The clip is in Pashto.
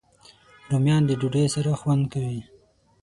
رومیان د ډوډۍ سره خوند کوي